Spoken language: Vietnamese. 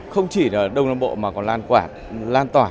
không chỉ là đông nam bộ mà còn lan tỏa